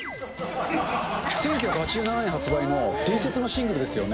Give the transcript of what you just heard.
１９８７年発売の伝説のシングルですよね。